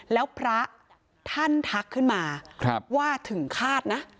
แล้วพระท่านทักขึ้นมาว่าถึงคาดนะ